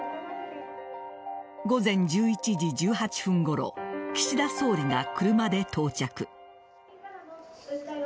午前１１時１８分ごろ岸田総理が車で到着。